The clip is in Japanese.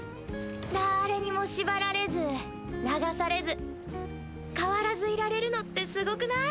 だれにも縛られず流されず変わらずいられるのってすごくない？